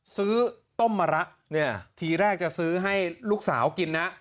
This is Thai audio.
ซื้อต้มมะระเนี่ยทีแรกจะซื้อให้ลูกสาวกินนะ